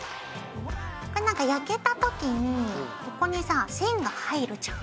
こうなんか焼けた時にここにさ線が入るじゃん。